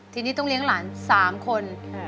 ทีนี้ต้องเลี้ยงหลาน๓คน